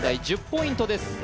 １０ポイントです